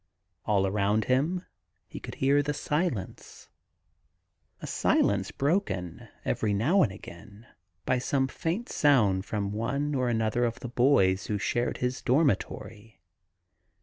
All around him he could hear the silence — a silence broken every now and again by some faint sound from one or anotiier of the boys who shared his dormitory.